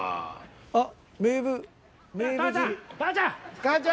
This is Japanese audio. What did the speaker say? あっ。